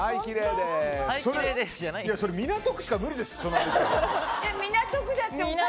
それ港区しか無理です。